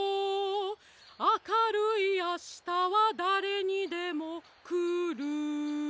「あかるいあしたはだれにでもくる」